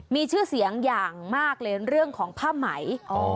มีชื่อเสียงอย่างมากเลยเรื่องของผ้าไหม